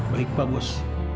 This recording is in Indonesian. baik pak bos